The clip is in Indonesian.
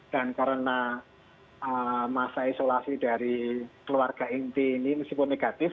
dan karena masa isolasi dari keluarga inti ini masih pun negatif